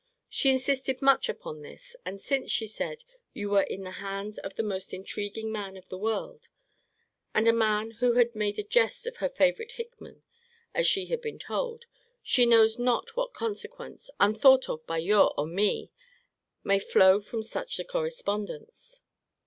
She insisted much upon this: and since, she said, you were in the hands of the most intriguing man in the world, and a man who had made a jest of her favourite Hickman, as she had been told, she knows not what consequences, unthought of by your or me, may flow from such a correspondence.